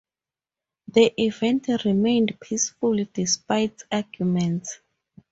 The event remained peaceful despite arguments.